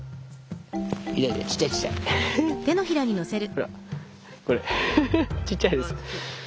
ほらこれちっちゃいです。